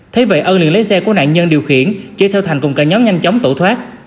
thế vậy ân liền lấy xe của nạn nhân điều khiển chở theo thành cùng cả nhóm nhanh chóng tẩu thoát